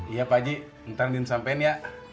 iya pak haji ntar di sampaikan ya